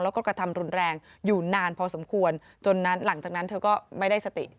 แล้วก็กระทำรุนแรงอยู่นานพอสมควรจนนั้นหลังจากนั้นเธอก็ไม่ได้สติ